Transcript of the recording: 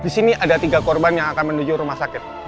disini ada tiga korban yang akan menuju rumah sakit